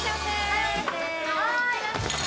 はい！